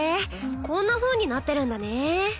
こんなふうになってるんだね。